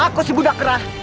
aku si budak keras